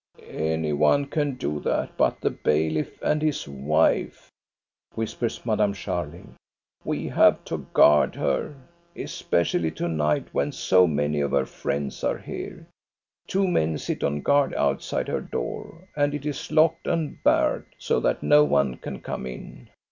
" Any one can do that but the bailiff and his wife," whispers Madame Scharling. "We have to guard her. Especially to night, when so many of her friends are here, two men sit on guard outside her door, and it is locked and barred so that no one can come in.